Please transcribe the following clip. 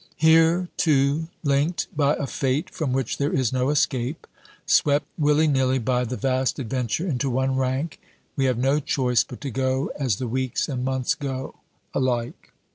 Here, too, linked by a fate from which there is no escape, swept willy nilly by the vast adventure into one rank, we have no choice but to go as the weeks and months go alike.